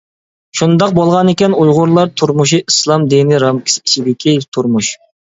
شۇنداق بولغانىكەن ئۇيغۇرلار تۇرمۇشى ئىسلام دىنى رامكىسى ئىچىدىكى تۇرمۇش.